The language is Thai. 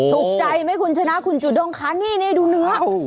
ถูกใจไหมคุณชนะคุณจูด้งคะนี่ดูเนื้อ